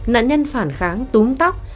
nạn nhân phản kháng túng tóc